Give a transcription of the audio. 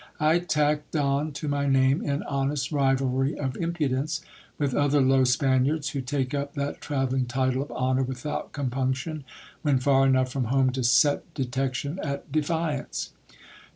I tacked don to my name, in honest rivalry of impudence with other low Spaniards, who take up that travelling title of honour without compunction, when far enough from home to set detection at defiance.